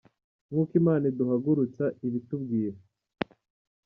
Nkuko imana iduhagurutsa ibitubwira